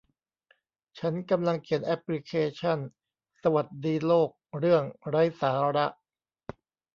ฉันกำลังเขียนแอพพลิเคชั่น สวัสดีโลก เรื่องไร้สาระ